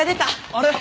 あれ？